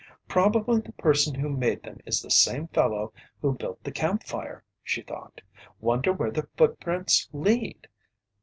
"Probably the person who made them is the same fellow who built the campfire," she thought. "Wonder where the footprints lead?"